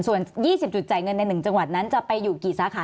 ส่วน๒๐จุดจ่ายเงินใน๑จังหวัดนั้นจะไปอยู่กี่สาขา